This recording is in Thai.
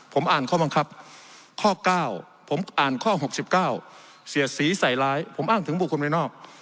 ผมอ่านข้อบังคับข้อ๙ผมอ่านข้อ๖๙เสียดสีใส่ร้ายผมอ้างถึงบุคคลภายนอก